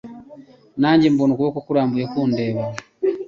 Nanjye mbona ukuboko kurambuye kundeba